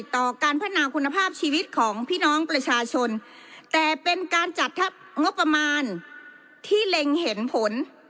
ต่อการพัฒนาคุณภาพชีวิตของพี่น้องประชาชนแต่เป็นการจัดทัพงบประมาณที่เล็งเห็นผล